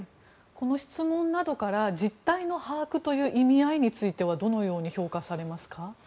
この質問などから実態の把握という意味合いについてはどのように評価されますか。